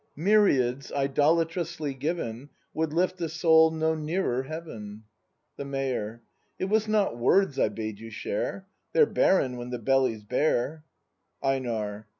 Myriads, idolatrously given, Would lift the soul no nearer heaven. The Mayor. It was not words I bade you share: They're barren when the belly's bare. Einar.